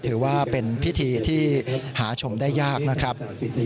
ถือว่าเป็นพิธีที่หาชมได้ยากนะครับ